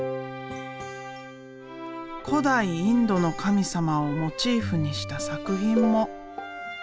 古代インドの神様をモチーフにした作品も。